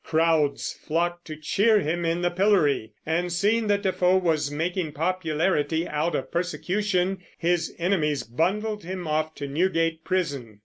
Crowds flocked to cheer him in the pillory; and seeing that Defoe was making popularity out of persecution, his enemies bundled him off to Newgate prison.